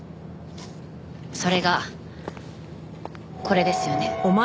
それがこれですよね。